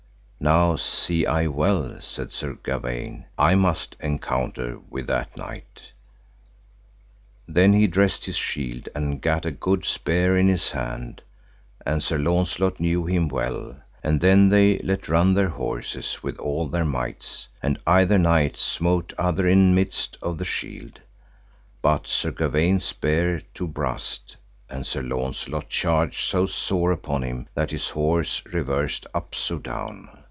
Now see I well, said Sir Gawaine, I must encounter with that knight. Then he dressed his shield and gat a good spear in his hand, and Sir Launcelot knew him well; and then they let run their horses with all their mights, and either knight smote other in midst of the shield. But Sir Gawaine's spear to brast, and Sir Launcelot charged so sore upon him that his horse reversed up so down.